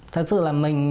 thật sự là mình